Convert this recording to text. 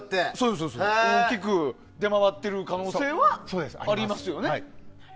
大きく出回ってる可能性はありますよね。